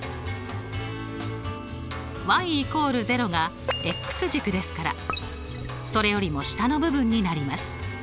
＝０が軸ですからそれよりも下の部分になります。